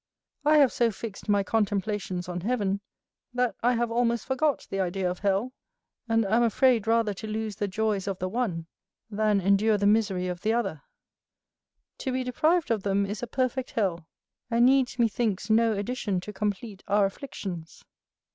I have so fixed my contemplations on heaven, that I have almost forgot the idea of hell; and am afraid rather to lose the joys of the one, than endure the misery of the other: to be deprived of them is a perfect hell, and needs methinks no addition to complete our afflictions.